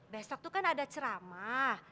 besok tuh kan ada ceramah